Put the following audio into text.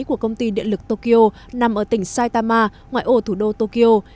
của công ty điện lực tokyo nằm ở tỉnh saitama ngoài ô thủ đô tokyo